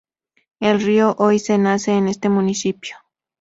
El río Oise nace en este municipio.